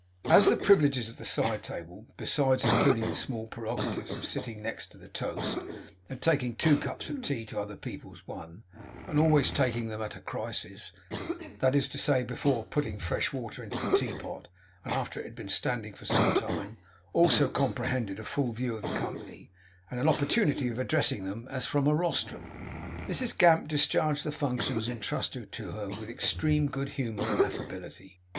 As the privileges of the side table besides including the small prerogatives of sitting next the toast, and taking two cups of tea to other people's one, and always taking them at a crisis, that is to say, before putting fresh water into the tea pot, and after it had been standing for some time also comprehended a full view of the company, and an opportunity of addressing them as from a rostrum, Mrs Gamp discharged the functions entrusted to her with extreme good humour and affability.